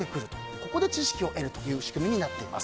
ここで知識を得るという仕組みになっています。